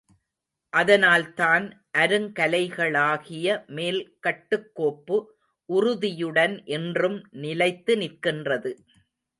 அதனால்தான் அருங்கலைகளாகிய மேல்கட்டுக்கோப்பு உறுதியுடன் இன்றும் நிலைத்து நிற்கின்றது.